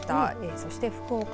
そして福岡